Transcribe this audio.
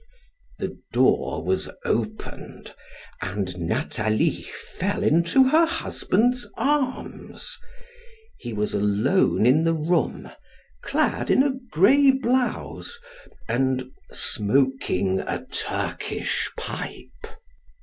The door was opened, and Nathalie fell into her husband's arms. He was alone in the room, clad in a gray blouse, and smoking a Turkish pipe.